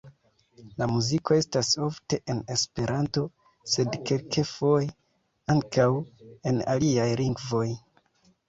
La muziko estas ofte en esperanto, sed kelkfoje ankaŭ en aliaj lingvoj.